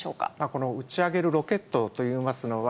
この打ち上げるロケットといいますのは、